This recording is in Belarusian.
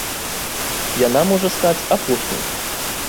Яна можа стаць апошняй.